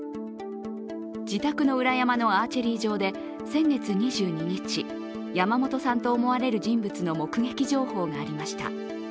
自宅の裏山のアーチェリー場で先月２２日、山本さんと思われる人物の目撃情報がありました。